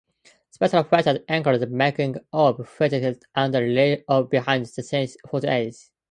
Special features include a "making of" featurette and a reel of behind-the-scenes footage.